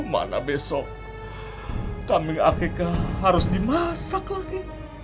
mana besok kambing akeka harus dimasak lagi